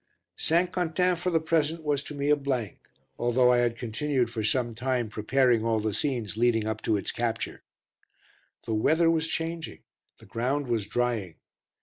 Q. St. Quentin, for the present, was to me a blank, although I had continued for some time preparing all the scenes leading up to its capture. The weather was changing, the ground was drying.